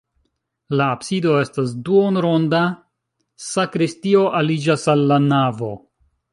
La absido estas duonronda, sakristio aliĝas al la navo.